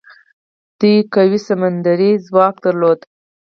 دوی قوي سمندري ځواک درلود.